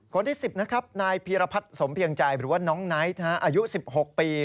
คนที่๑๐นะครับนายพีรพัฒน์สมเพียงใจหรือว่าน้องไนท์อายุ๑๖ปี